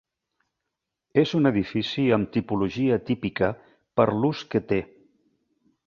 És un edifici amb tipologia típica per l'ús que té.